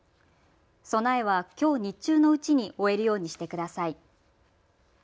備えはきょう日中のうちに終えるようにしてください。